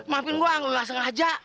maafin gue aku gak sengaja